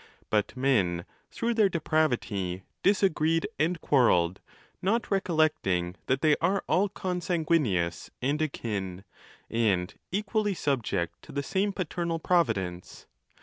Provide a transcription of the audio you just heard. But men through their depravity disagreed and quarrelled, not recollecting that they are all consanguineous and akin, and equally subject to the same paternal providence.